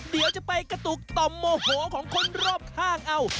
เดี๋ยวจะไปกระตุกต่อมโมโหของคนรอบข้างเอา